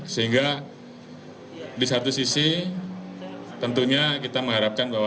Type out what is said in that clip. sehingga di satu sisi tentunya kita mengharapkan bahwa